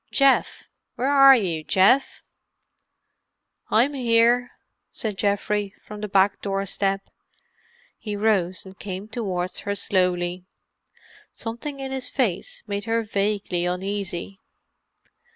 "Geoff! Where are you, Geoff?" "I'm here," said Geoffrey, from the back doorstep. He rose and came towards her slowly. Something in his face made her vaguely uneasy.